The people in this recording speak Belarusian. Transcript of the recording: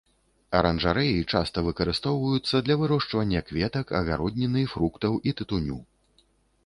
Аранжарэі часта выкарыстоўваюцца для вырошчвання кветак, агародніны, фруктаў і тытуню.